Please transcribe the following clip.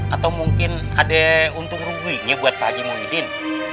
atau mungkin ada untung ruginya buat pak haji muhyiddin